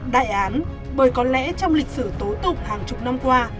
đại án bởi có lẽ trong lịch sử tối tục hàng chục năm qua